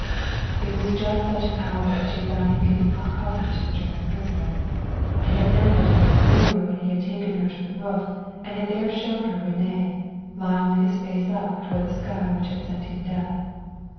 It was just such an hour that she found him giving hot coffee to the German prisoner. It had been but a little earlier when he had taken her to the roof and had there shown her René, lying with his face up toward the sky which had sent him death.